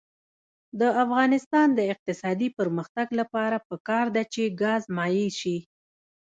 د افغانستان د اقتصادي پرمختګ لپاره پکار ده چې ګاز مایع شي.